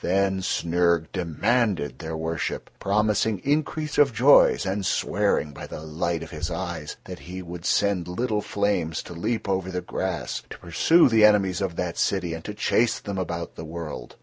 Then Snyrg demanded their worship, promising increase of joys, and swearing by the light of his eyes that he would send little flames to leap over the grass, to pursue the enemies of that city and to chase them about the world.